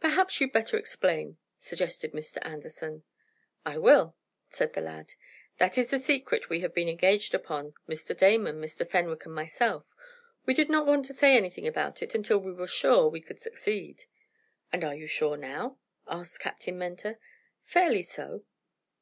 "Perhaps you'd better explain," suggested Mr. Anderson. "I will," said the lad. "That is the secret we have been engaged upon Mr. Damon, Mr. Fenwick and myself. We did not want to say anything about it until we were sure we could succeed." "And are you sure now?" asked Captain Mentor. "Fairly so."